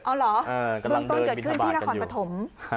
เอาเหรอเบื้องต้นเกิดขึ้นที่นครปฐม